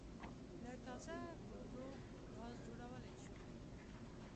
له تازه ګوبرو ګاز جوړولای شو